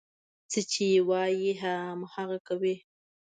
هر څه چې وايي، هماغه کوي.